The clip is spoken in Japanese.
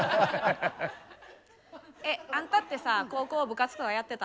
えあんたってさ高校部活とかやってた？